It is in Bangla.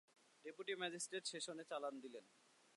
ডেপুটি ম্যাজিস্ট্রেট সেশনে চালান দিলেন।